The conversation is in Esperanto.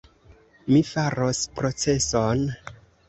Mi faros proceson!